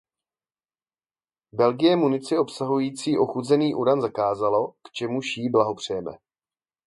Belgie munici obsahující ochuzený uran zakázalo, k čemuž jí blahopřejeme.